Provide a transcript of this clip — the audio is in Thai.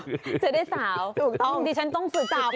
จะได้สาวถ้าไม่ได้ฉันต้องฝึกกินแบบนี้